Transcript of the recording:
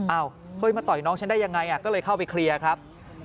เฮ้ยมาต่อยน้องฉันได้ยังไงก็เลยเข้าไปเคลียร์ครับ